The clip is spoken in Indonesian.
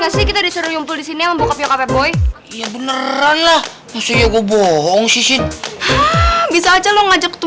sebenernya saya harus dosen dulu